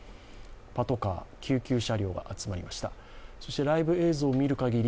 パトカー、救急車両が集まりましたそしてライブ映像を見るかぎり